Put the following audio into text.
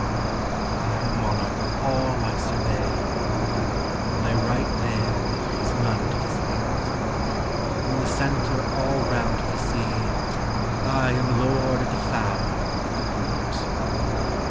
I am monarch of all T survey, — My right there is none to dispute; From the centre; all round to the sea, T am lord of the fowl and the brute.